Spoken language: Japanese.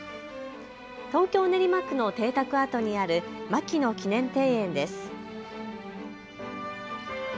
東京練馬区の邸宅跡にある牧野記念庭園です。